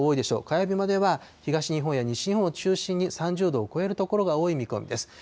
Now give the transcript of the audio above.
火曜日までは東日本や西日本を中心に、３０度を超える所が多い見込みです。